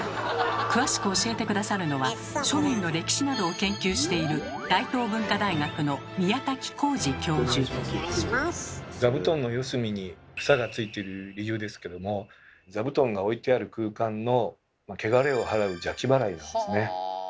詳しく教えて下さるのは庶民の歴史などを研究している座布団の四隅に房がついている理由ですけども座布団が置いてある空間のけがれを払う「邪気払い」なんですね。